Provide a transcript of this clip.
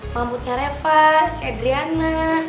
mamputnya reva si adriana